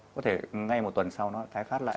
có thể ngay một tuần sau nó tái phát lại